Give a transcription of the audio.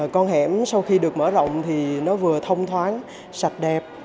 con hẻm sau khi được mở rộng thì nó vừa thông thoáng sạch đẹp